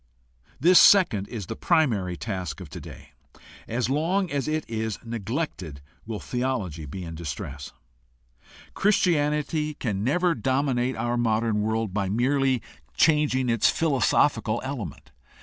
This second is the primary task of today. As long as it is neglected will theology be in distress. Christianity can never dominate 76 GUIDE TO STUDY OF CHRISTIAN RELIGION our modern world by merely changing its philosophical ele ment.